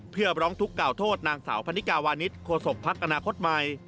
เพื่อร้องทุกข์กล่าวโทษนางสาวพันนิกาวานิสโคศกภักดิ์อนาคตใหม่